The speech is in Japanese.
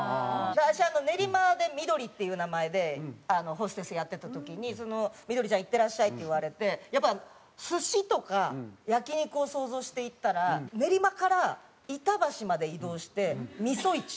私練馬で「みどり」っていう名前でホステスやってた時に「みどりちゃんいってらっしゃい」って言われてやっぱ寿司とか焼き肉を想像して行ったら練馬から板橋まで移動して味噌一。